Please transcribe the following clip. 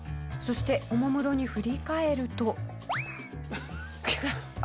そしておもむろに振り返ると。